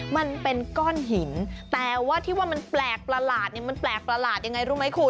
มันเป็นก้อนหินแต่ว่าที่ว่ามันแปลกประหลาดเนี่ยมันแปลกประหลาดยังไงรู้ไหมคุณ